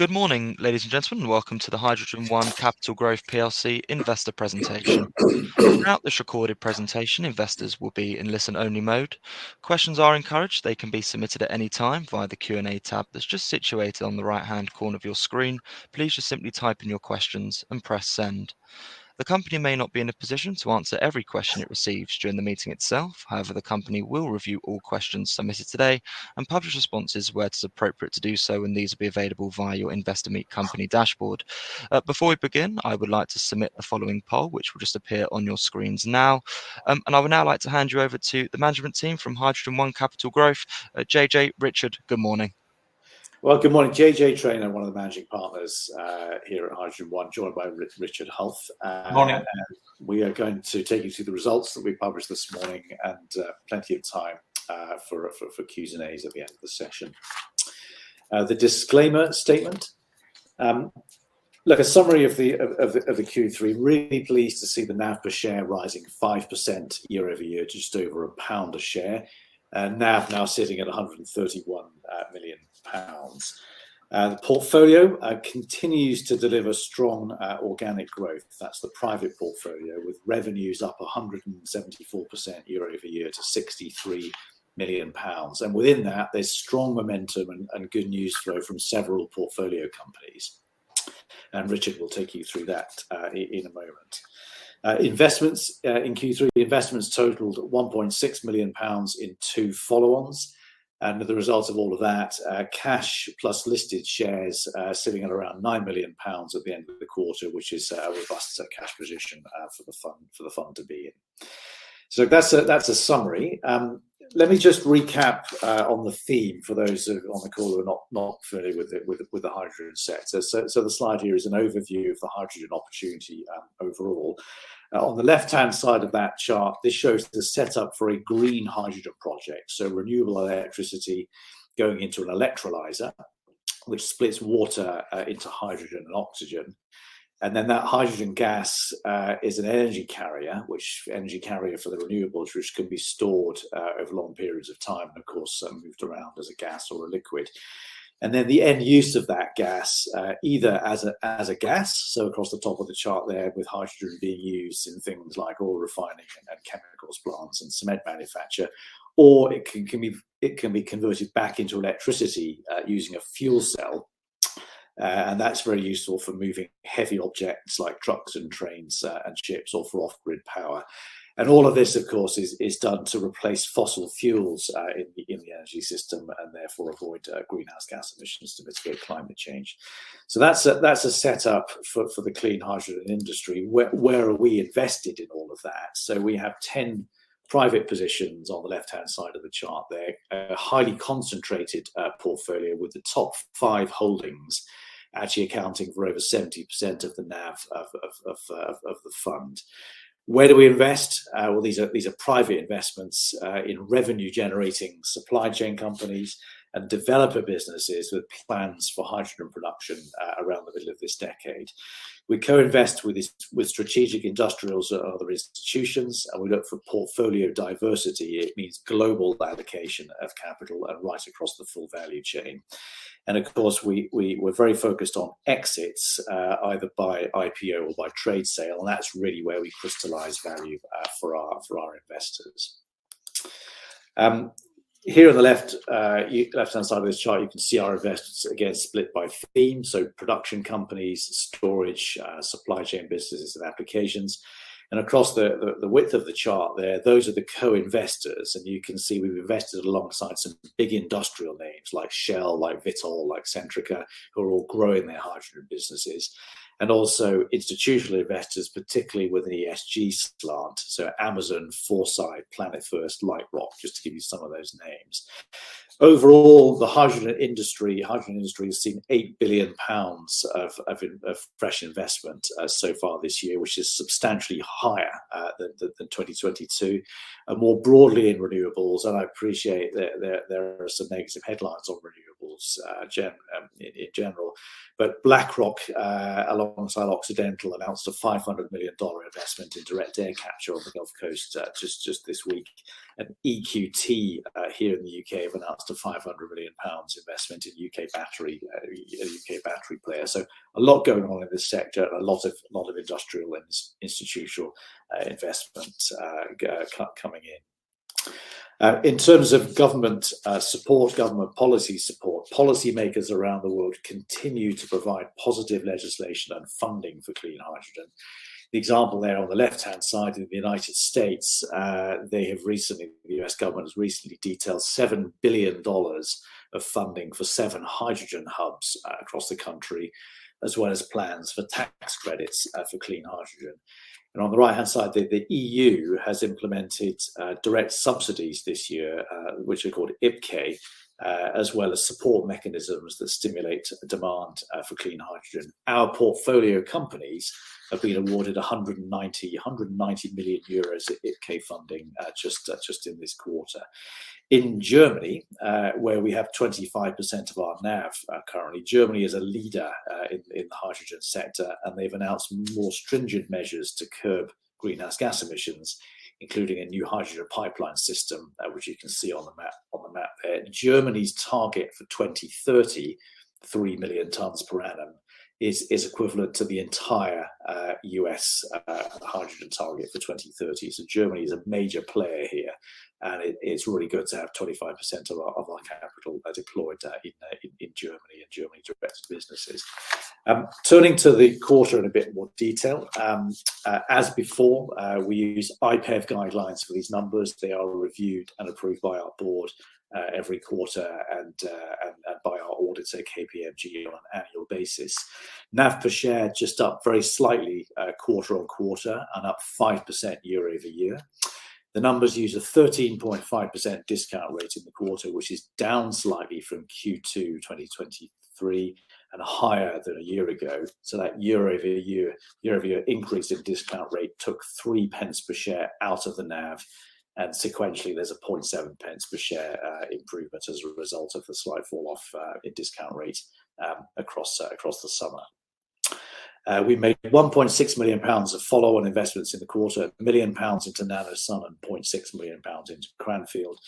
Good morning, ladies and gentlemen. Welcome to the HydrogenOne Capital Growth Plc investor presentation. Throughout this recorded presentation, investors will be in listen-only mode. Questions are encouraged. They can be submitted at any time via the Q&A tab that's just situated on the right-hand corner of your screen. Please just simply type in your questions and press 'Send'. The company may not be in a position to answer every question it receives during the meeting itself. However, the company will review all questions submitted today and publish responses where it is appropriate to do so, and these will be available via your Investor Meet Company dashboard. Before we begin, I would like to submit the following poll, which will just appear on your screens now. And I would now like to hand you over to the management team from HydrogenOne Capital Growth. JJ, Richard, good morning. Well, good morning. JJ Traynor, one of the managing partners here at HydrogenOne, joined by Richard Hulf. Morning. We are going to take you through the results that we published this morning, and plenty of time for Q's and A's at the end of the session. The disclaimer statement. Look, a summary of the Q3. Really pleased to see the NAV per share rising 5% year-over-year, to just over GBP 1 a share. NAV now sitting at 131 million pounds. The portfolio continues to deliver strong organic growth. That's the private portfolio, with revenues up 174% year-over-year to 63 million pounds. And within that, there's strong momentum and good news flow from several portfolio companies. Richard will take you through that in a moment. Investments in Q3 totaled 1.6 million pounds in two follow-ons, and the results of all of that, cash plus listed shares sitting at around 9 million pounds at the end of the quarter, which is a robust cash position for the fund to be in. So that's a summary. Let me just recap on the theme for those on the call who are not familiar with the hydrogen sector. So the slide here is an overview of the hydrogen opportunity overall. On the left-hand side of that chart, this shows the setup for a green hydrogen project. So renewable electricity going into an electrolyser, which splits water into hydrogen and oxygen. And then that hydrogen gas is an energy carrier, which energy carrier for the renewables, which can be stored over long periods of time, and of course, moved around as a gas or a liquid. And then the end use of that gas, either as a, as a gas, so across the top of the chart there, with hydrogen being used in things like oil refining and chemicals, plants and cement manufacture, or it can be converted back into electricity using a fuel cell. And that's very useful for moving heavy objects like trucks and trains and ships, or for off-grid power. And all of this, of course, is done to replace fossil fuels in the energy system and therefore avoid greenhouse gas emissions to mitigate climate change. So that's a setup for the clean hydrogen industry. Where are we invested in all of that? So we have 10 private positions on the left-hand side of the chart there. A highly concentrated portfolio, with the top five holdings actually accounting for over 70% of the NAV of the fund. Where do we invest? Well, these are private investments in revenue-generating supply chain companies and developer businesses with plans for hydrogen production around the middle of this decade. We co-invest with strategic industrials or other institutions, and we look for portfolio diversity. It means global allocation of capital and right across the full value chain. Of course, we're very focused on exits, either by IPO or by trade sale, and that's really where we crystallize value for our investors. Here on the left-hand side of this chart, you can see our investments again split by theme, so production companies, storage, supply chain businesses, and applications. Across the width of the chart there, those are the co-investors, and you can see we've invested alongside some big industrial names like Shell, like Vitol, like Centrica, who are all growing their hydrogen businesses. Also institutional investors, particularly with an ESG slant, so Amazon, Foresight, Planet First, Lightrock, just to give you some of those names. Overall, the hydrogen industry has seen 8 billion pounds of fresh investment so far this year, which is substantially higher than 2022. More broadly in renewables, I appreciate that there are some negative headlines on renewables in general, but BlackRock alongside Occidental announced a $500 million investment in direct air capture on the Gulf Coast just this week. EQT here in the U.K. have announced a 500 million pounds investment in U.K. battery player. So a lot going on in this sector, a lot of industrial and institutional investment coming in. In terms of government support, government policy support, policymakers around the world continue to provide positive legislation and funding for clean hydrogen. The example there on the left-hand side, in the U.S., the U.S. government has recently detailed $7 billion of funding for seven hydrogen hubs across the country, as well as plans for tax credits for clean hydrogen. And on the right-hand side, the EU has implemented direct subsidies this year, which are called IPCEI, as well as support mechanisms that stimulate demand for clean hydrogen. Our portfolio companies have been awarded 190 million euros IPCEI funding just in this quarter. In Germany, where we have 25% of our NAV currently, Germany is a leader in the hydrogen sector. They've announced more stringent measures to curb greenhouse gas emissions, including a new hydrogen pipeline system, which you can see on the map there. Germany's target for 2030, 3 million tons per annum, is equivalent to the entire U.S. hydrogen target for 2030. So Germany is a major player here, and it's really good to have 25% of our capital deployed in Germany direct businesses. Turning to the quarter in a bit more detail. As before, we use IPEV Guidelines for these numbers. They are reviewed and approved by our Board every quarter, and by our auditor, KPMG, on an annual basis. NAV per share just up very slightly, quarter-on-quarter, and up 5% year-over-year. The numbers use a 13.5% discount rate in the quarter, which is down slightly from Q2 2023, and higher than a year ago. So that year-over-year, year-over-year increase in discount rate took 0.03 per share out of the NAV, and sequentially, there's a 0.7 per share improvement as a result of the slight falloff in discount rate across, across the summer. We made 1.6 million pounds of follow-on investments in the quarter, 1 million pounds into NanoSUN and 0.6 million pounds into Cranfield.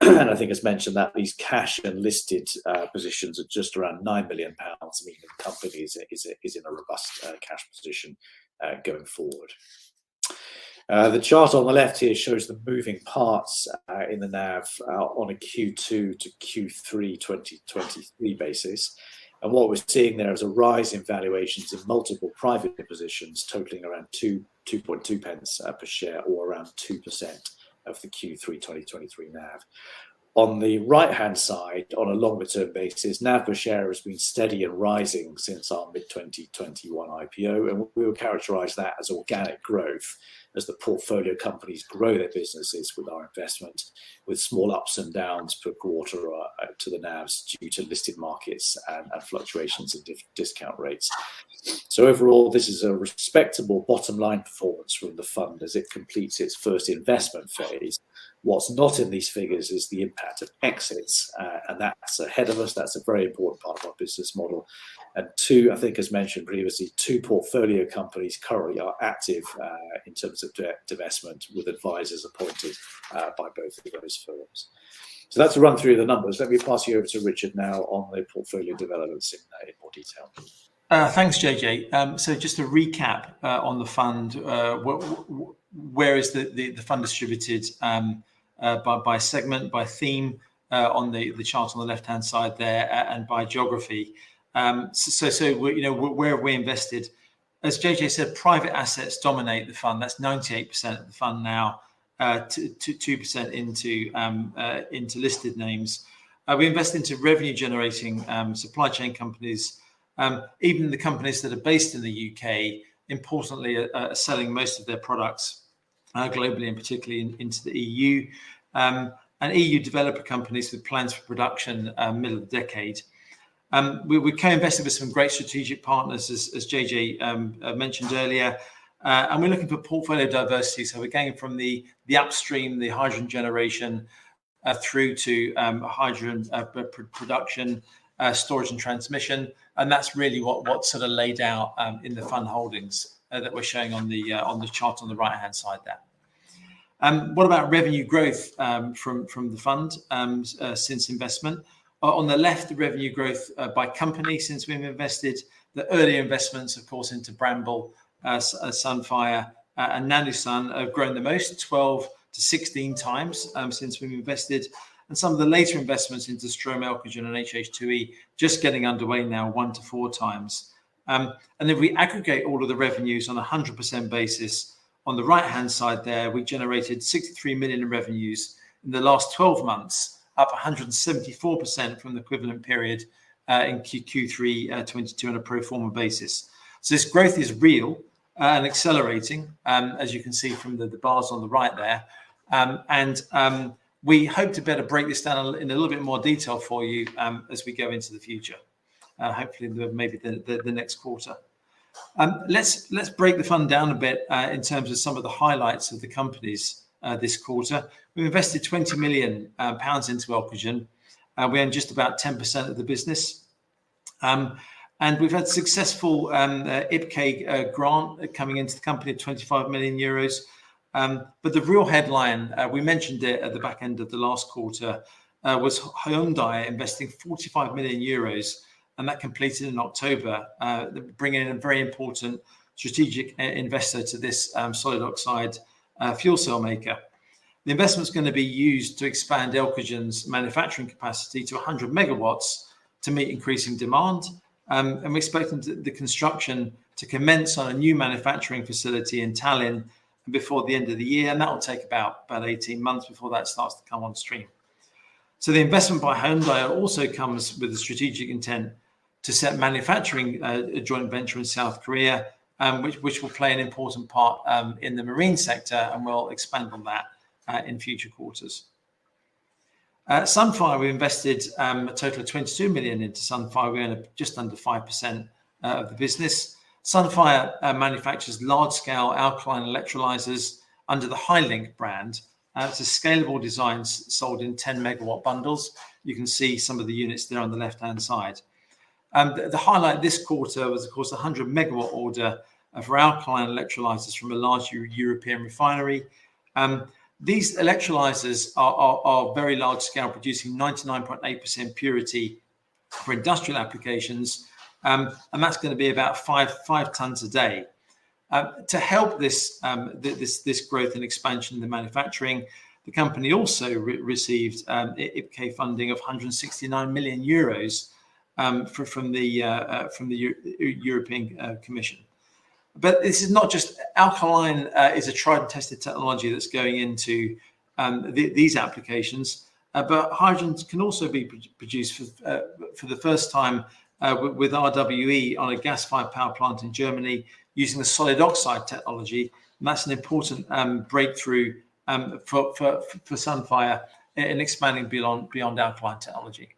I think as mentioned, that these cash and listed positions are just around 9 million pounds, meaning the company is in a robust cash position going forward. The chart on the left here shows the moving parts in the NAV on a Q2 to Q3 2023 basis. And what we're seeing there is a rise in valuations of multiple private positions, totaling around 2.2 per share, or around 2% of the Q3 2023 NAV. On the right-hand side, on a longer-term basis, NAV per share has been steady and rising since our mid-2021 IPO, and we would characterize that as organic growth as the portfolio companies grow their businesses with our investment, with small ups and downs per quarter or to the NAVs due to listed markets and fluctuations in discount rates. So overall, this is a respectable bottom line performance from the fund as it completes its first investment phase. What's not in these figures is the impact of exits, and that's ahead of us. That's a very important part of our business model. And too, I think as mentioned previously, two portfolio companies currently are active in terms of divestment, with advisors appointed by both of those firms. So that's a run through the numbers. Let me pass you over to Richard now on the portfolio developments in more detail. Thanks, JJ. So just to recap, on the fund, where is the fund distributed, by segment, by theme, on the chart on the left-hand side there, and by geography? So, you know, where have we invested? As JJ said, private assets dominate the fund. That's 98% of the fund now, two percent into listed names. We invest into revenue-generating supply chain companies. Even the companies that are based in the U.K., importantly, are selling most of their products globally, and particularly into the EU. And EU developer companies with plans for production middle of the decade. We co-invested with some great strategic partners, as JJ mentioned earlier. And we're looking for portfolio diversity, so we're going from the upstream, the hydrogen generation, through to hydrogen production, storage, and transmission, and that's really what's sort of laid out in the fund holdings that we're showing on the chart on the right-hand side there. What about revenue growth from the fund since investment? On the left, the revenue growth by company since we've invested. The early investments, of course, into Bramble, Sunfire, and NanoSUN, have grown the most, 12-16 times since we've invested. And some of the later investments into Strohm, Elcogen, and HH2E, just getting underway now, one to four times. And if we aggregate all of the revenues on a 100% basis, on the right-hand side there, we generated 63 million in revenues in the last 12 months, up 174% from the equivalent period in Q3 2022 on a pro forma basis. So this growth is real and accelerating, as you can see from the bars on the right there. And we hope to better break this down in a little bit more detail for you, as we go into the future, hopefully in maybe the next quarter. Let's break the fund down a bit in terms of some of the highlights of the companies this quarter. We've invested 20 million pounds into Elcogen, and we own just about 10% of the business. We've had successful IPCEI grant coming into the company at 25 million euros. But the real headline, we mentioned it at the back end of the last quarter, was Hyundai investing 45 million euros, and that completed in October, bringing in a very important strategic investor to this solid oxide fuel cell maker. The investment's gonna be used to expand Elcogen's manufacturing capacity to 100 MW to meet increasing demand, and we expect the construction to commence on a new manufacturing facility in Tallinn before the end of the year, and that will take about 18 months before that starts to come on stream. So the investment by Hyundai also comes with a strategic intent to set manufacturing, a joint venture in South Korea, which will play an important part, in the marine sector, and we'll expand on that, in future quarters. Sunfire, we invested, a total of 22 million into Sunfire. We own just under 5%, of the business. Sunfire, manufactures large-scale alkaline electrolysers under the HyLink brand. It's a scalable design sold in 10-MW bundles. You can see some of the units there on the left-hand side. The highlight this quarter was, of course, a 100-MW order of our alkaline electrolysers from a large European refinery. These electrolysers are very large scale, producing 99.8% purity for industrial applications. And that's gonna be about 5 tons a day. To help this growth and expansion in the manufacturing, the company also received IPCEI funding of 169 million euros from the European Commission. But this is not just- alkaline is a tried and tested technology that's going into these applications, but hydrogen can also be produced for the first time with RWE on a gas-fired power plant in Germany, using the solid oxide technology, and that's an important breakthrough for Sunfire in expanding beyond alkaline technology.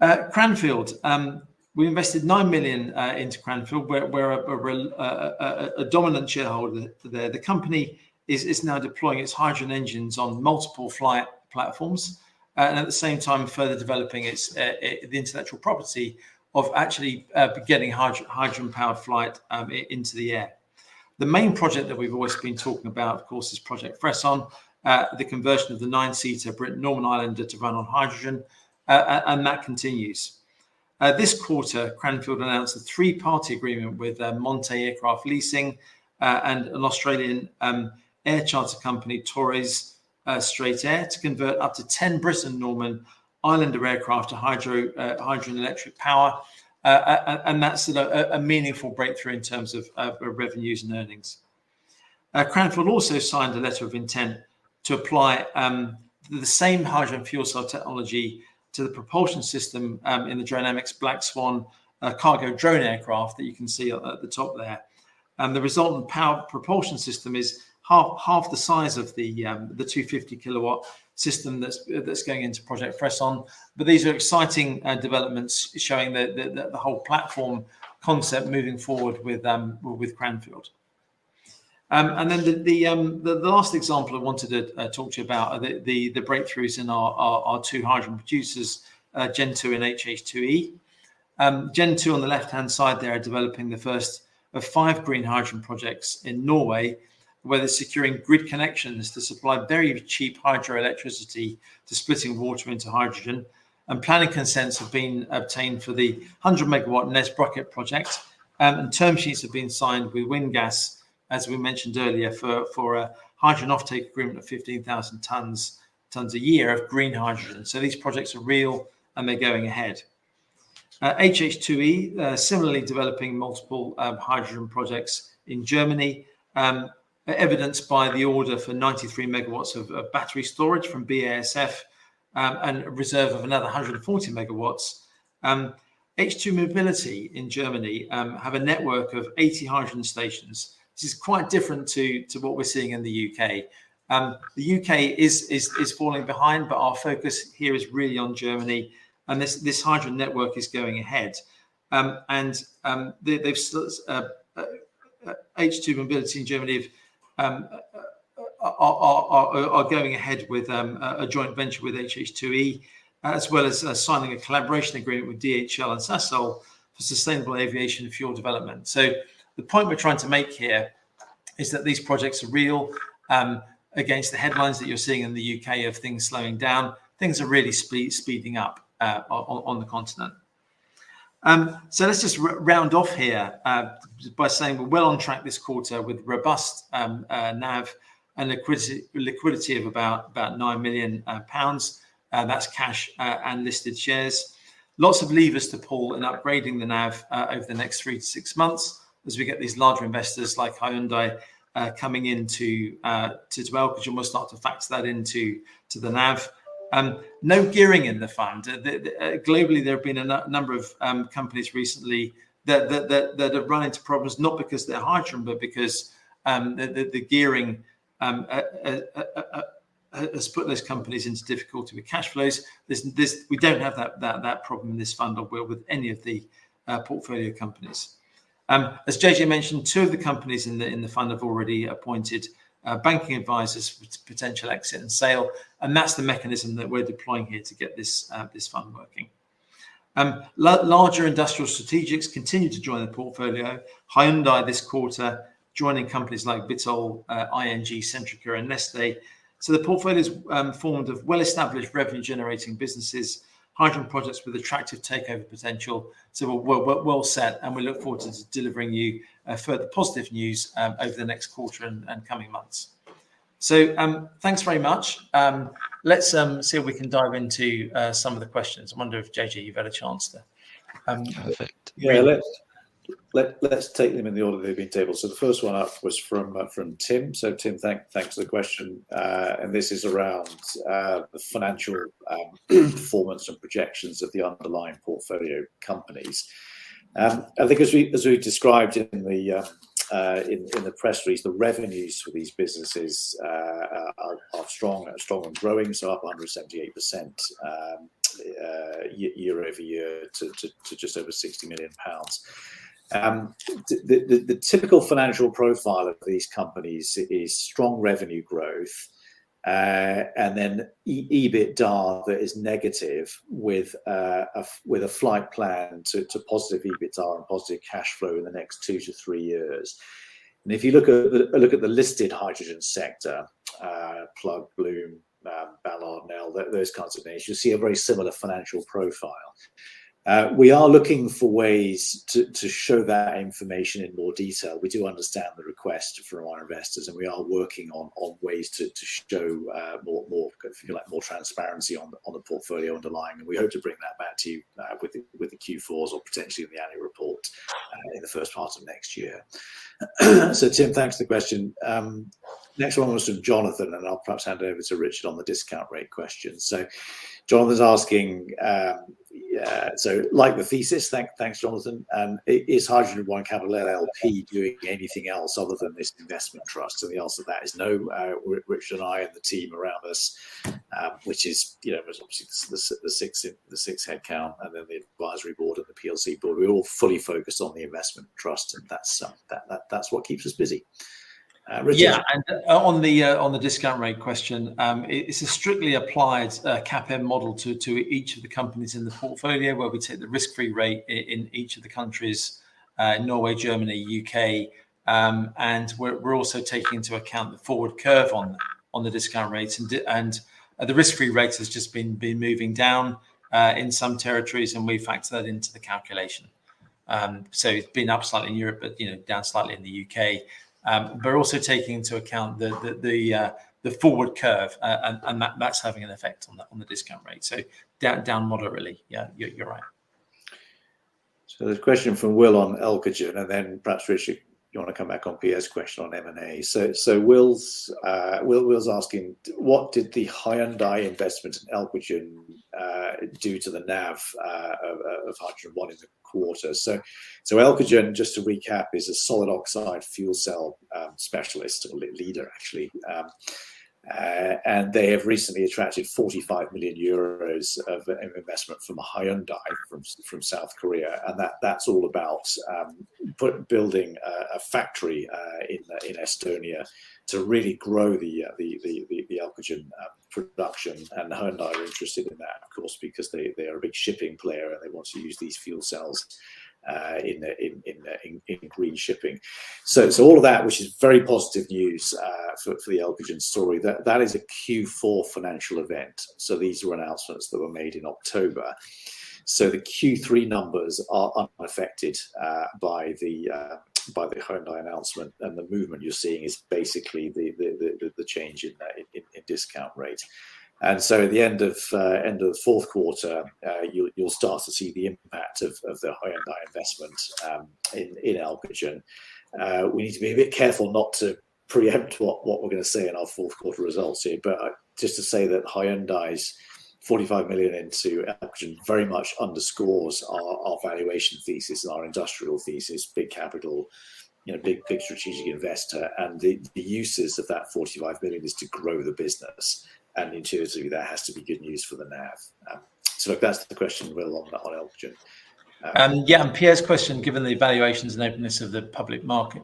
Cranfield. We invested 9 million into Cranfield, where we're a dominant shareholder there. The company is now deploying its hydrogen engines on multiple flight platforms, and at the same time, further developing its intellectual property of actually getting hydrogen-powered flight into the air. The main project that we've always been talking about, of course, is Project Fresson, the conversion of the nine-seater Britten-Norman Islander to run on hydrogen, and that continues. This quarter, Cranfield announced a three-party agreement with MONTE Aircraft Leasing and an Australian air charter company, Torres Strait Air, to convert up to 10 Britten-Norman Islander aircraft to hydrogen electric power. And that's a meaningful breakthrough in terms of revenues and earnings. Cranfield also signed a letter of intent to apply the same hydrogen fuel cell technology to the propulsion system in the Dronamics' Black Swan cargo drone aircraft that you can see at the top there. And the resultant power propulsion system is half the size of the 250-kW system that's going into Project Fresson. But these are exciting developments showing the whole platform concept moving forward with Cranfield. And then the last example I wanted to talk to you about are the breakthroughs in our two hydrogen producers, Gen2 and HH2E. Gen2, on the left-hand side there, are developing the first of five green hydrogen projects in Norway, where they're securing grid connections to supply very cheap hydroelectricity to splitting water into hydrogen, and planning consents have been obtained for the 100-MW Nesbruket project. And term sheets have been signed with WINGAS, as we mentioned earlier, for a hydrogen offtake agreement of 15,000 tons a year of green hydrogen. So these projects are real, and they're going ahead. HH2E, similarly developing multiple hydrogen projects in Germany, evidenced by the order for 93 MW of battery storage from BASF, and a reserve of another 140 MW. H2 MOBILITY in Germany have a network of 80 hydrogen stations, which is quite different to what we're seeing in the U.K. The U.K. is falling behind, but our focus here is really on Germany, and this hydrogen network is going ahead. And H2 MOBILITY in Germany are going ahead with a joint venture with HH2E, as well as signing a collaboration agreement with DHL and Sasol for Sustainable Aviation Fuel development. So the point we're trying to make here is that these projects are real, against the headlines that you're seeing in the U.K. of things slowing down, things are really speeding up on the continent. So let's just round off here, by saying we're well on track this quarter with robust NAV and liquidity of about 9 million pounds. That's cash and listed shares. Lots of levers to pull in upgrading the NAV over the next three to six months as we get these larger investors like Hyundai coming in to as well, because you must start to factor that into to the NAV. No gearing in the fund. Globally, there have been a number of companies recently that have run into problems, not because they're hydrogen, but because the gearing has put those companies into difficulty with cash flows. This we don't have that problem in this fund or with any of the portfolio companies. As JJ mentioned, two of the companies in the fund have already appointed banking advisors for potential exit and sale, and that's the mechanism that we're deploying here to get this fund working. Larger industrial strategics continue to join the portfolio. Hyundai this quarter, joining companies like Vitol, ING, Centrica and Neste. So the portfolio's formed of well-established revenue generating businesses, hydrogen projects with attractive takeover potential. So we're well set, and we look forward to delivering you further positive news over the next quarter and coming months. So, thanks very much. Let's see if we can dive into some of the questions. I wonder if, JJ, you've had a chance to Perfect. Yeah, let's take them in the order they've been tabled. So the first one up was from Tim. So Tim, thanks for the question. And this is around the financial performance and projections of the underlying portfolio companies. I think as we described in the press release, the revenues for these businesses are strong and growing, so up 178% year-over-year to just over 60 million pounds. The typical financial profile of these companies is strong revenue growth, and then EBITDA that is negative with a flight plan to positive EBITDA and positive cash flow in the next two to three years. If you look at the listed hydrogen sector, Plug, Bloom, Ballard, Nel, those kinds of names, you'll see a very similar financial profile. We are looking for ways to show that information in more detail. We do understand the request from our investors, and we are working on ways to show more, if you like, more transparency on the portfolio underlying, and we hope to bring that back to you with the Q4 or potentially in the annual report in the first part of next year. So Tim, thanks for the question. Next one was from Jonathan, and I'll perhaps hand over to Richard on the discount rate question. So Jonathan's asking, "Like the thesis," thanks, Jonathan. "Is HydrogenOne Capital LLP doing anything else other than this investment trust?" And the answer to that is no. Richard and I, and the team around us, which is, you know, there's obviously the six headcount, and then the Advisory Board and the Plc Board, we're all fully focused on the investment trust, and that's what keeps us busy. Richard? Yeah, and on the discount rate question, it's a strictly applied CAPM model to each of the companies in the portfolio, where we take the risk-free rate in each of the countries, Norway, Germany, U.K. And we're also taking into account the forward curve on the discount rates, and the risk-free rates has just been moving down in some territories, and we factor that into the calculation. So it's been up slightly in Europe, but, you know, down slightly in the U.K. We're also taking into account the forward curve, and that's having an effect on the discount rate. So down moderately. Yeah, you're right. So there's a question from Will on Elcogen, and then perhaps, Richard, you want to come back on Pierre's question on M&A. So Will's asking, "What did the Hyundai investment in Elcogen do to the NAV of HydrogenOne in the quarter?" So Elcogen, just to recap, is a solid oxide fuel cell specialist, or leader actually. And they have recently attracted 45 million euros of investment from Hyundai, from South Korea, and that's all about building a factory in Estonia to really grow the Elcogen production. And Hyundai are interested in that, of course, because they are a big shipping player, and they want to use these fuel cells in green shipping. So all of that, which is very positive news, for the Elcogen story, that is a Q4 financial event, so these were announcements that were made in October. So the Q3 numbers are unaffected, by the Hyundai announcement, and the movement you're seeing is basically the change in discount rate. And so at the end of the fourth quarter, you'll start to see the impact of the Hyundai investment, in Elcogen. We need to be a bit careful not to preempt what we're going to say in our fourth quarter results here, but just to say that Hyundai's 45 million into Elcogen very much underscores our valuation thesis and our industrial thesis, big capital, you know, big strategic investor. The uses of that 45 million is to grow the business, and intuitively, that has to be good news for the NAV. So that's the question, Will, on Elcogen. Yeah, and Pierre's question: "Given the valuations and openness of the public market,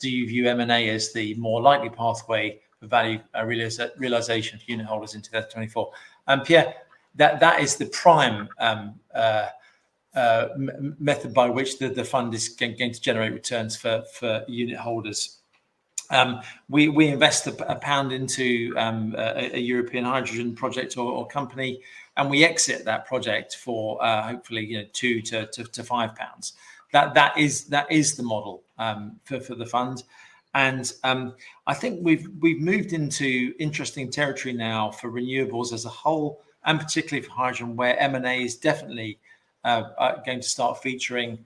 do you view M&A as the more likely pathway for value realization for unitholders into 2024?" Pierre, that is the prime method by which the fund is going to generate returns for unitholders. We invest GBP 1 into a European hydrogen project or company, and we exit that project for, hopefully, you know, 2-5 pounds. That is the model for the fund. I think we've moved into interesting territory now for renewables as a whole, and particularly for hydrogen, where M&A is definitely going to start featuring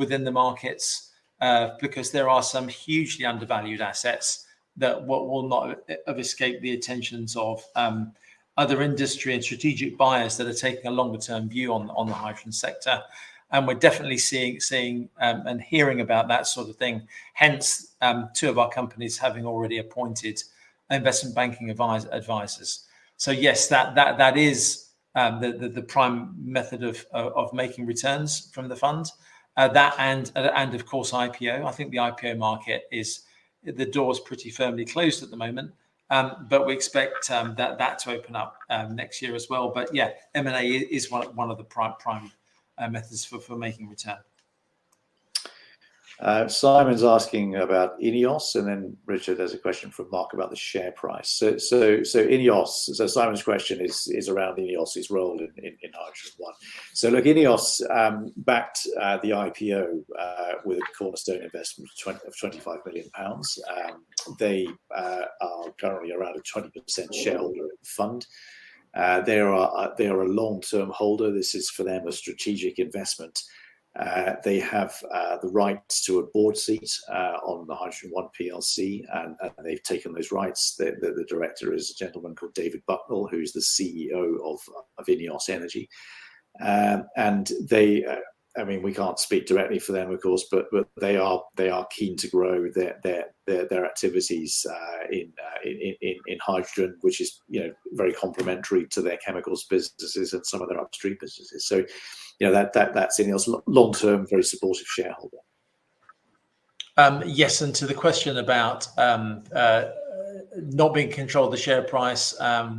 within the markets, because there are some hugely undervalued assets that will not have escaped the attentions of other industry and strategic buyers that are taking a longer-term view on the hydrogen sector. And we're definitely seeing and hearing about that sort of thing, hence two of our companies having already appointed investment banking advisors. So yes, that is the prime method of making returns from the fund. That and, of course, IPO. I think the IPO market is, the door's pretty firmly closed at the moment, but we expect that to open up next year as well. But yeah, M&A is one of the prime methods for making return. Simon's asking about INEOS, and then Richard, there's a question from Mark about the share price. So INEOS, Simon's question is around INEOS' role in HydrogenOne. So look, INEOS backed the IPO with a cornerstone investment of 25 million pounds. They are currently around a 20% shareholder in the fund. They are a long-term holder. This is, for them, a strategic investment. They have the right to a Board seat on the HydrogenOne Plc, and they've taken those rights. The Director is a gentleman called David Bucknall, who's the CEO of INEOS Energy. I mean, we can't speak directly for them, of course, but they are keen to grow their activities in hydrogen, which is, you know, very complementary to their chemicals businesses and some of their upstream businesses. So, you know, that's INEOS, long term, very supportive shareholder. Yes, and to the question about not being in control of the share price,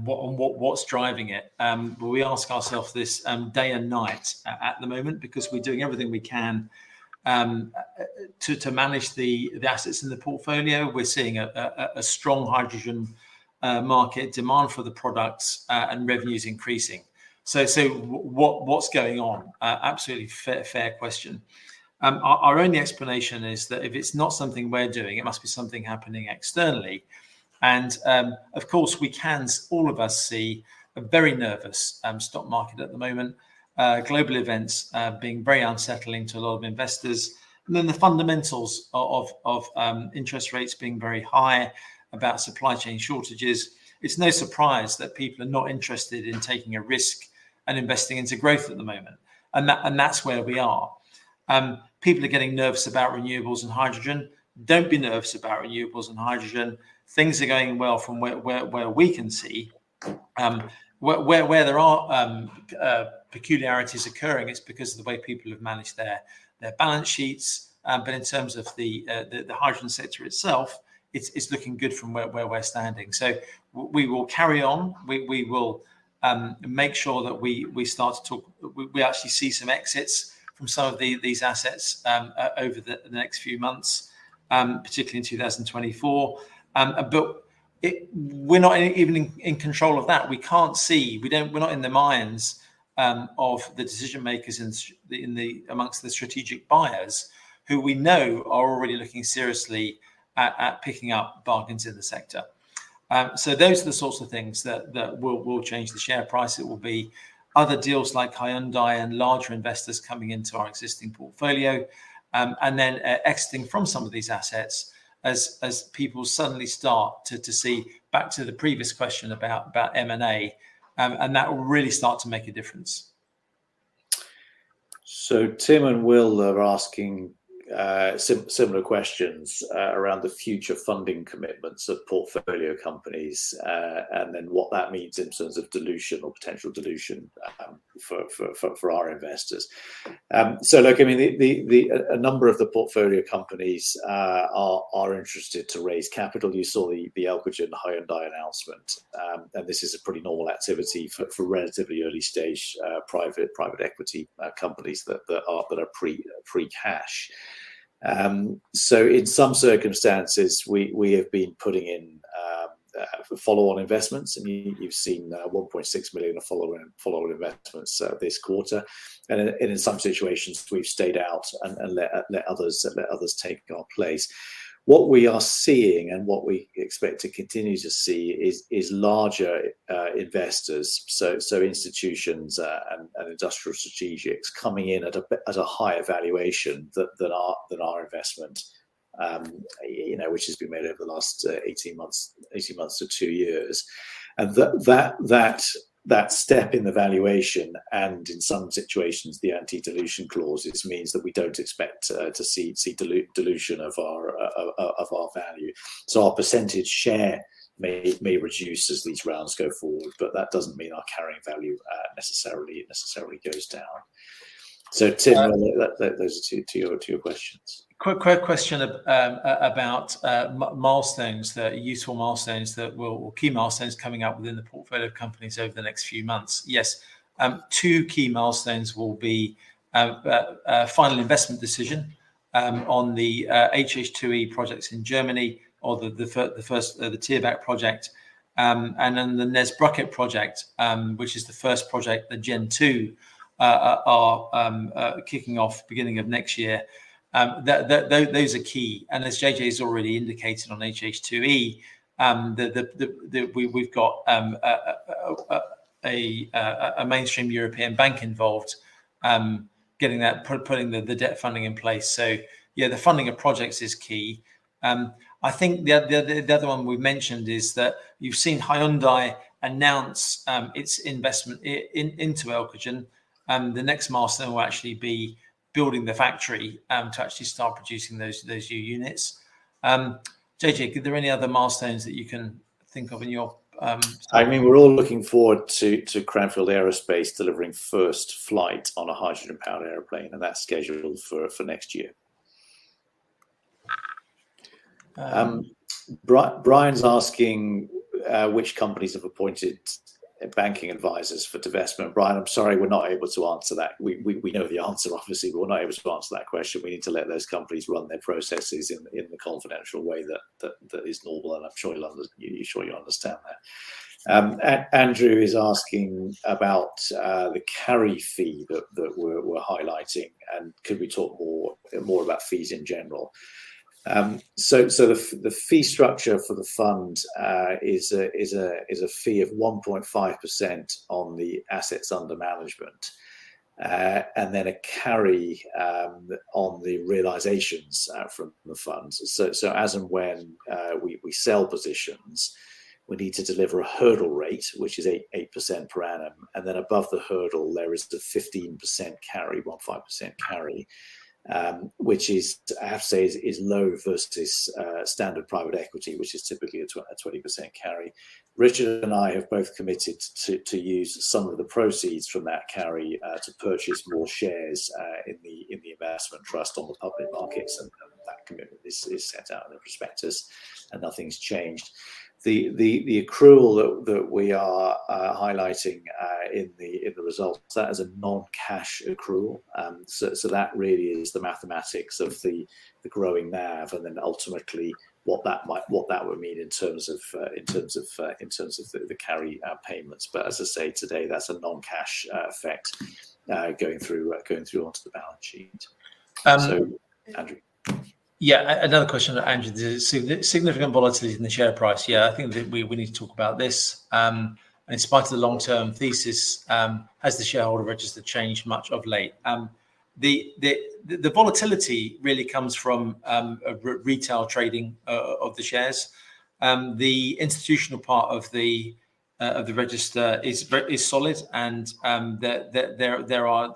what's driving it? Well, we ask ourselves this day and night at the moment, because we're doing everything we can to manage the assets in the portfolio. We're seeing a strong hydrogen market, demand for the products, and revenues increasing. So what's going on? Absolutely fair question. Our only explanation is that if it's not something we're doing, it must be something happening externally. And, of course, we can, all of us see a very nervous stock market at the moment. Global events being very unsettling to a lot of investors, and then the fundamentals of interest rates being very high, about supply chain shortages. It's no surprise that people are not interested in taking a risk and investing into growth at the moment, and that's where we are. People are getting nervous about renewables and hydrogen. Don't be nervous about renewables and hydrogen. Things are going well from where we can see. Peculiarities occurring, it's because of the way people have managed their balance sheets. But in terms of the hydrogen sector itself, it's looking good from where we're standing. So we will carry on. We will make sure that we start to talk. We actually see some exits from some of these assets over the next few months, particularly in 2024. But we're not even in control of that. We can't see, we're not in the minds of the decision makers amongst the strategic buyers, who we know are already looking seriously at picking up bargains in the sector. So those are the sorts of things that will change the share price. It will be other deals like Hyundai and larger investors coming into our existing portfolio, and then exiting from some of these assets as people suddenly start to see back to the previous question about M&A, and that will really start to make a difference. So Tim and Will are asking similar questions around the future funding commitments of portfolio companies, and then what that means in terms of dilution or potential dilution for our investors. So look, I mean, a number of the portfolio companies are interested to raise capital. You saw the Elcogen and Hyundai announcement, and this is a pretty normal activity for relatively early stage private equity companies that are pre-cash. So in some circumstances, we have been putting in follow-on investments, and you've seen 1.6 million of follow-on investments this quarter. And in some situations, we've stayed out and let others take our place. What we are seeing and what we expect to continue to see is larger investors, so institutions and industrial strategics coming in at a higher valuation than our investment, you know, which has been made over the last 18 months to two years. That step in the valuation, and in some situations, the anti-dilution clauses, means that we don't expect to see dilution of our value. So our percentage share may reduce as these rounds go forward, but that doesn't mean our carrying value necessarily goes down. So Tim, that those are to your questions. Quick question about milestones that are useful, milestones that will... or key milestones coming up within the portfolio of companies over the next few months. Yes, two key milestones will be a final investment decision on the HH2E projects in Germany or the first Thierbach project. And then the Nesbruket project, which is the first project that Gen2 are kicking off beginning of next year. Those are key, and as JJ has already indicated on HH2E, we've got a mainstream European bank involved, getting that putting the debt funding in place. So yeah, the funding of projects is key. I think the other one we've mentioned is that you've seen Hyundai announce its investment into Elcogen, the next milestone will actually be building the factory to actually start producing those new units. JJ, are there any other milestones that you can think of in your I mean, we're all looking forward to Cranfield Aerospace delivering first flight on a hydrogen-powered airplane, and that's scheduled for next year. Brian's asking which companies have appointed banking advisors for divestment. Brian, I'm sorry, we're not able to answer that. We know the answer, obviously, but we're not able to answer that question. We need to let those companies run their processes in the confidential way that is normal, and I'm sure you understand that. Andrew is asking about the carry fee that we're highlighting, and could we talk more about fees in general? So the fee structure for the fund is a fee of 1.5% on the assets under management, and then a carry on the realizations from the funds. So as and when we sell positions, we need to deliver a hurdle rate, which is 8% per annum, and then above the hurdle there is the 15% carry, 15% carry, which is, I have to say, low versus standard private equity, which is typically a 20% carry. Richard and I have both committed to use some of the proceeds from that carry to purchase more shares in the investment trust on the public markets, and that commitment is set out in the prospectus, and nothing's changed. The accrual that we are highlighting in the results, that is a non-cash accrual. So that really is the mathematics of the growing NAV, and then ultimately what that might—what that would mean in terms of the carry payments. But as I say today, that's a non-cash effect going through onto the balance sheet. Um- So, Andrew. Yeah, another question, Andrew. The significant volatility in the share price. Yeah, I think that we need to talk about this. In spite of the long-term thesis, has the shareholder register changed much of late? The volatility really comes from retail trading of the shares. The institutional part of the register is very solid, and there are...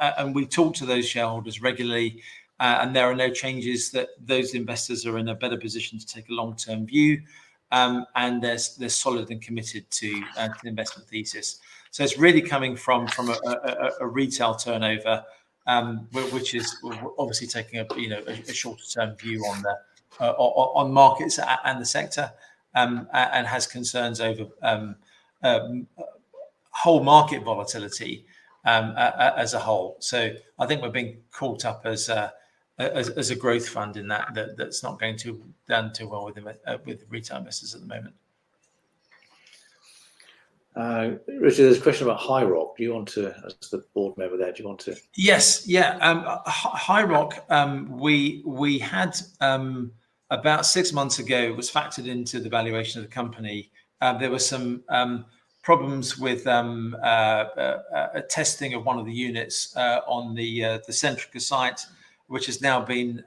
And we talk to those shareholders regularly, and there are no changes that those investors are in a better position to take a long-term view. And they're solid and committed to the investment thesis. So it's really coming from a retail turnover, which is obviously taking, you know, a shorter-term view on the markets and the sector, as a whole. So I think we're being caught up as a growth fund in that, that's not going down too well with retail investors at the moment. Richard, there's a question about HiiROC. Do you want to, as the Board Member there, do you want to- Yes. Yeah, HiiROC, we had about six months ago, it was factored into the valuation of the company. There were some problems with a testing of one of the units on the Centrica site, which has now been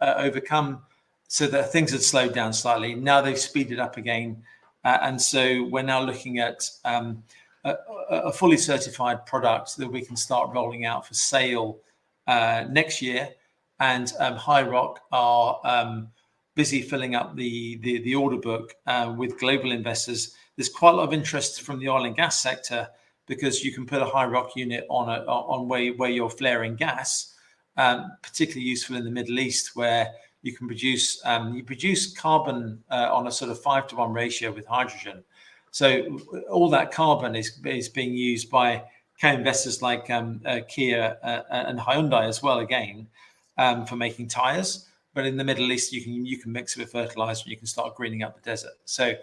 overcome. So the things had slowed down slightly. Now they've speeded up again, and so we're now looking at a fully certified product that we can start rolling out for sale next year. And HiiROC are busy filling up the order book with global investors. There's quite a lot of interest from the oil and gas sector because you can put a HiiROC unit on where you're flaring gas, particularly useful in the Middle East, where you can produce, you produce carbon on a sort of 5-to-1 ratio with hydrogen. So all that carbon is being used by key investors like, Kia, and Hyundai as well, again, for making tires. But in the Middle East, you can mix it with fertilizer, you can start greening up the desert. So,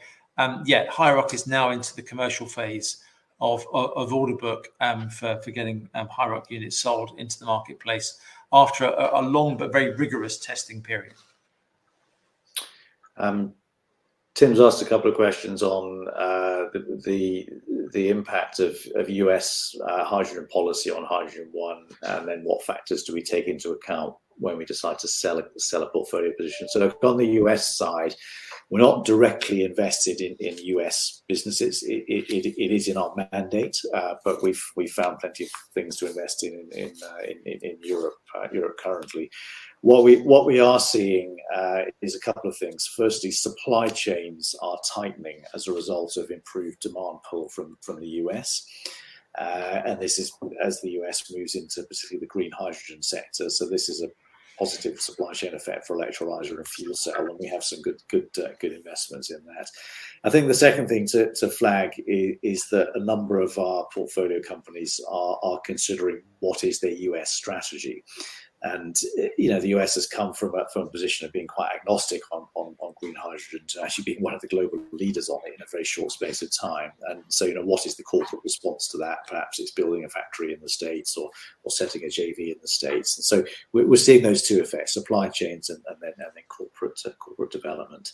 yeah, HiiROC is now into the commercial phase of order book for getting HiiROC units sold into the marketplace after a long but very rigorous testing period. Tim's asked a couple of questions on the impact of U.S. hydrogen policy on HydrogenOne, and then what factors do we take into account when we decide to sell a portfolio position. So on the U.S. side, we're not directly invested in U.S. businesses. It is in our mandate, but we've found plenty of things to invest in Europe currently. What we are seeing is a couple of things. Firstly, supply chains are tightening as a result of improved demand pull from the U.S., and this is as the U.S. moves into specifically the green hydrogen sector. So this is a positive supply chain effect for electrolyser and fuel cell, and we have some good investments in that. I think the second thing to flag is that a number of our portfolio companies are considering what is their U.S. strategy. And, you know, the U.S. has come from a position of being quite agnostic on green hydrogen to actually being one of the global leaders on it in a very short space of time. And so, you know, what is the corporate response to that? Perhaps it's building a factory in the U.S. or setting a JV in the U.S. So we're seeing those two effects, supply chains and then corporate development.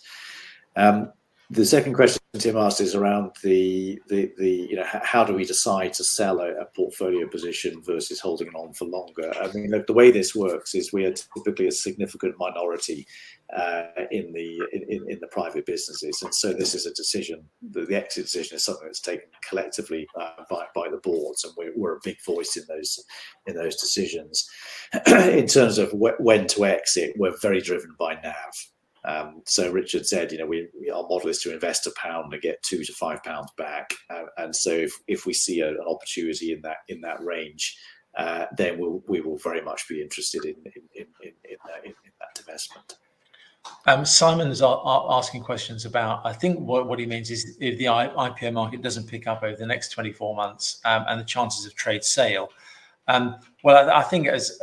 The second question Tim asked is around the, you know, how do we decide to sell a portfolio position versus holding it on for longer? I mean, look, the way this works is we are typically a significant minority in the private businesses, and so this is a decision, the exit decision is something that's taken collectively by the boards, and we're a big voice in those decisions. In terms of when to exit, we're very driven by NAV. So Richard said, you know, our model is to invest GBP 1 and get 2-5 pounds back, and so if we see an opportunity in that range, then we'll very much be interested in that investment. Simon is asking questions about... I think what he means is if the IPO market doesn't pick up over the next 24 months, and the chances of trade sale. Well, I think as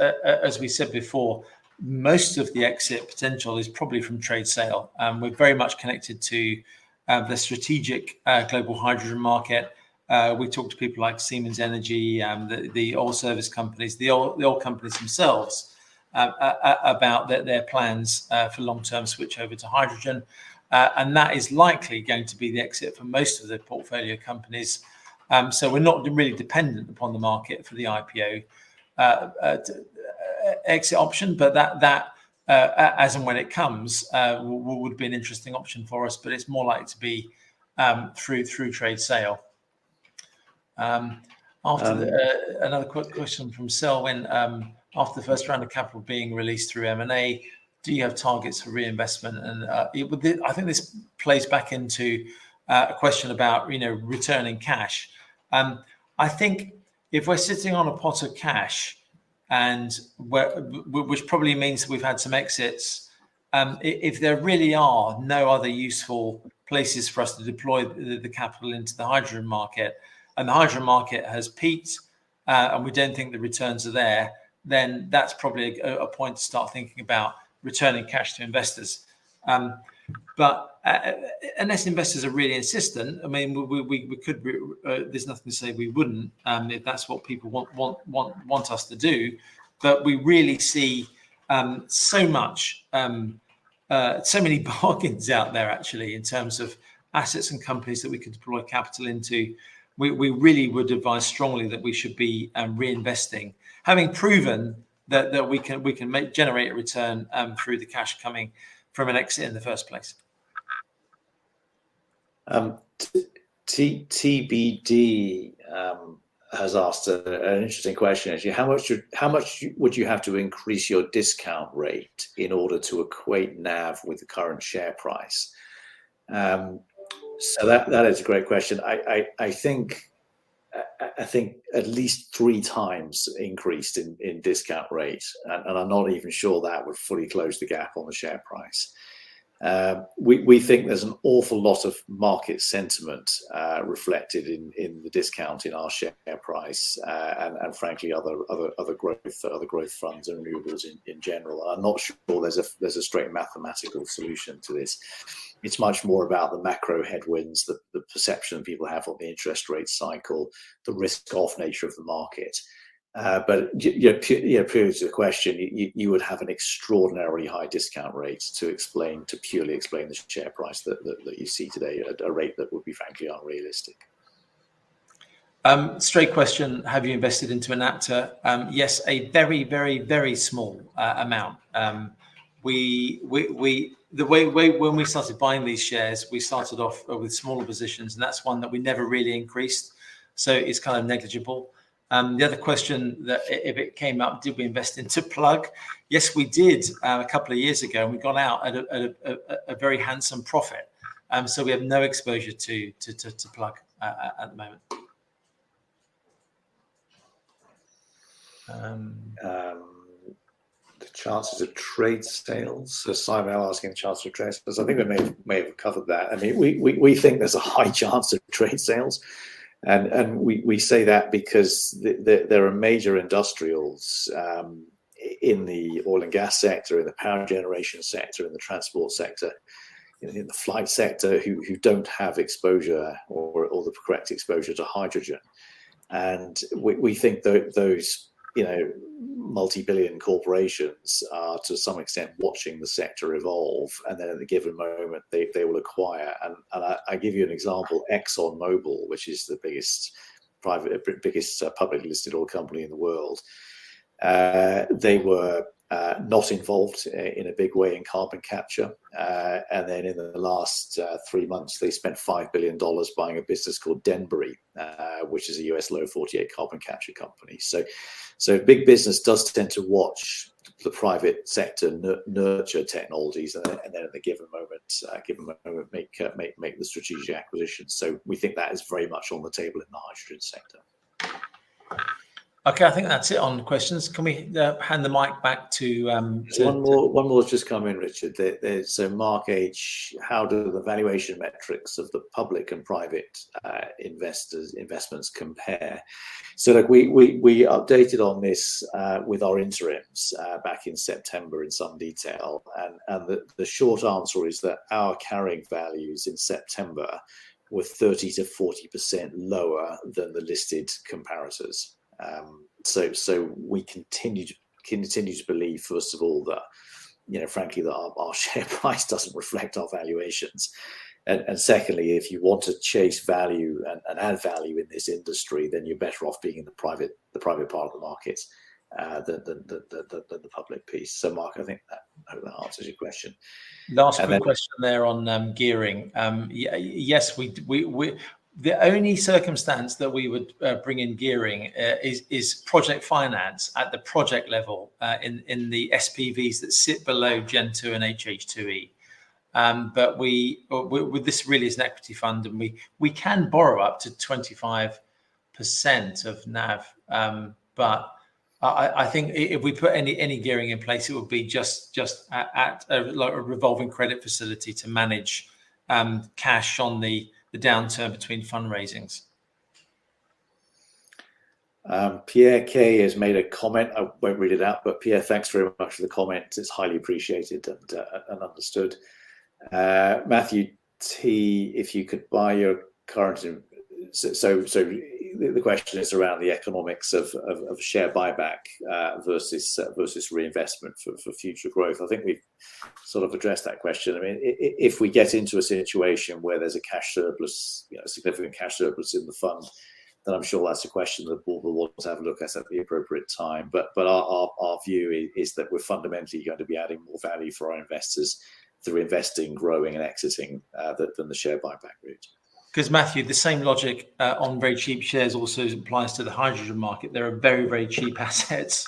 we said before, most of the exit potential is probably from trade sale, and we're very much connected to the strategic global hydrogen market. We talk to people like Siemens Energy, the oil service companies, the oil companies themselves about their plans for long-term switch over to hydrogen, and that is likely going to be the exit for most of the portfolio companies. So we're not really dependent upon the market for the IPO exit option, but that as and when it comes would be an interesting option for us. But it's more likely to be through trade sale. Another quick question from Selwyn, after the first round of capital being released through M&A, do you have targets for reinvestment? And, I think this plays back into, a question about, you know, returning cash. I think if we're sitting on a pot of cash and we're, which probably means that we've had some exits, if there really are no other useful places for us to deploy the, the capital into the hydrogen market, and the hydrogen market has peaked, and we don't think the returns are there, then that's probably a point to start thinking about returning cash to investors. But, unless investors are really insistent, I mean, we could, there's nothing to say we wouldn't, if that's what people want us to do. But we really see so much, so many bargains out there actually, in terms of assets and companies that we could deploy capital into. We, we really would advise strongly that we should be reinvesting, having proven that, that we can, we can make, generate a return, through the cash coming from an exit in the first place. TBD has asked an interesting question, actually: how much would you have to increase your discount rate in order to equate NAV with the current share price? That is a great question. I think at least 3x increased in discount rate, and I'm not even sure that would fully close the gap on the share price. We think there's an awful lot of market sentiment reflected in the discount in our share price, and frankly, other growth funds and renewables in general. I'm not sure there's a straight mathematical solution to this. It's much more about the macro headwinds, the perception people have of the interest rate cycle, the risk-off nature of the market. But yeah, per your question, you would have an extraordinarily high discount rate to purely explain the share price that you see today, at a rate that would be frankly unrealistic. Straight question: "Have you invested into Enapter?" Yes, a very, very, very small amount. The way we started buying these shares, we started off with smaller positions, and that's one that we never really increased, so it's kind of negligible. The other question that, if it came up, did we invest into Plug? Yes, we did, a couple of years ago, and we got out at a very handsome profit. So we have no exposure to Plug at the moment. The chances of trade sales. So Simon L. asking the chances of trade sales. I think we may have covered that. I mean, we think there's a high chance of trade sales, and we say that because there are major industrials in the oil and gas sector, in the power generation sector, in the transport sector, in the flight sector, who don't have exposure or the correct exposure to hydrogen. And we think those, you know, multibillion corporations are, to some extent, watching the sector evolve, and then at a given moment, they will acquire. And I give you an example. ExxonMobil, which is the biggest private, biggest, publicly listed oil company in the world, they were not involved in a big way in carbon capture. In the last three months, they spent $5 billion buying a business called Denbury, which is a U.S. Lower 48 carbon capture company. So big business does tend to watch the private sector nurture technologies, and then at the given moment, make the strategic acquisition. So we think that is very much on the table in the hydrogen sector. Okay, I think that's it on questions. Can we hand the mic back to... One more has just come in, Richard. So Mark H.: "How do the valuation metrics of the public and private investments compare?" So look, we updated on this with our interims back in September in some detail. The short answer is that our carrying values in September were 30%-40% lower than the listed comparators. So we continue to believe, first of all, that, you know, frankly, that our share price doesn't reflect our valuations. And secondly, if you want to chase value and add value in this industry, then you're better off being in the private part of the markets than the public piece. So Mark, I think that answers your question. And then- Last question there on gearing. Yes, the only circumstance that we would bring in gearing is project finance at the project level in the SPVs that sit below Gen2 and HH2E. But well, this really is an equity fund, and we can borrow up to 25% of NAV. But I think if we put any gearing in place, it would be just a, like, a revolving credit facility to manage cash on the downturn between fundraisings. Pierre K. has made a comment. I won't read it out, but Pierre, thanks very much for the comment. It's highly appreciated and understood. Matthew T., the question is around the economics of share buyback versus reinvestment for future growth. I think we've sort of address that question. I mean, if we get into a situation where there's a cash surplus, you know, a significant cash surplus in the fund, then I'm sure that's a question that the Board will want to have a look at at the appropriate time. But our view is that we're fundamentally going to be adding more value for our investors through investing, growing, and exiting than the share buyback route. Because, Matthew, the same logic on very cheap shares also applies to the hydrogen market. There are very, very cheap assets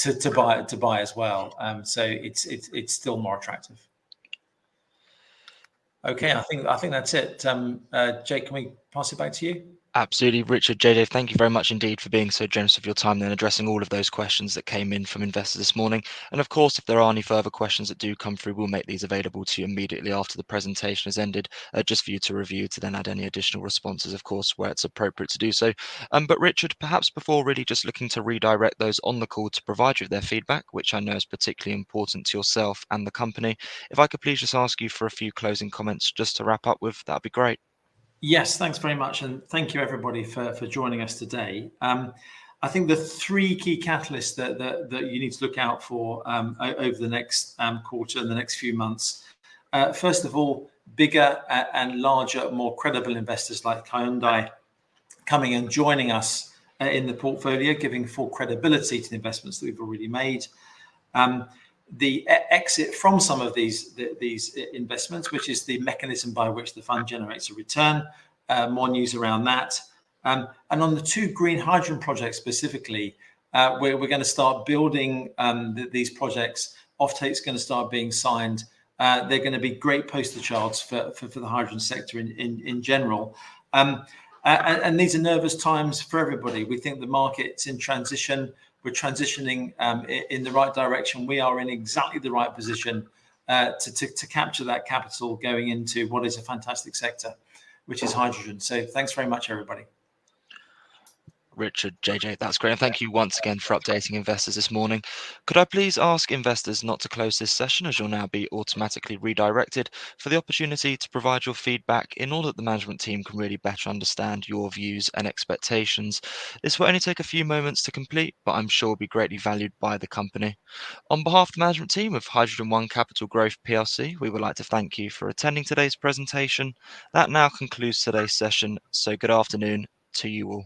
to buy as well. So it's still more attractive. Okay, I think that's it. Jake, can we pass it back to you? Absolutely. Richard, JJ, thank you very much indeed for being so generous of your time and addressing all of those questions that came in from investors this morning. And of course, if there are any further questions that do come through, we'll make these available to you immediately after the presentation has ended, just for you to review, to then add any additional responses, of course, where it's appropriate to do so. But Richard, perhaps before really just looking to redirect those on the call to provide you with their feedback, which I know is particularly important to yourself and the company, if I could please just ask you for a few closing comments just to wrap up with, that'd be great. Yes, thanks very much, and thank you, everybody, for joining us today. I think the three key catalysts that you need to look out for over the next quarter and the next few months, first of all, bigger and larger, more credible investors like Hyundai coming and joining us in the portfolio, giving full credibility to the investments that we've already made. The exit from some of these investments, which is the mechanism by which the fund generates a return, more news around that. And on the two green hydrogen projects specifically, where we're gonna start building these projects, offtake is gonna start being signed. They're gonna be great poster charts for the hydrogen sector in general. These are nervous times for everybody. We think the market's in transition. We're transitioning in the right direction. We are in exactly the right position to capture that capital going into what is a fantastic sector, which is hydrogen. Thanks very much, everybody. Richard, JJ, that's great, and thank you once again for updating investors this morning. Could I please ask investors not to close this session, as you'll now be automatically redirected for the opportunity to provide your feedback in order that the management team can really better understand your views and expectations? This will only take a few moments to complete, but I'm sure will be greatly valued by the company. On behalf of the management team of HydrogenOne Capital Growth Plc, we would like to thank you for attending today's presentation. That now concludes today's session, so good afternoon to you all.